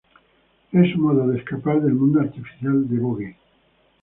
Es su modo de escapar del mundo artificial de 'Vogue'.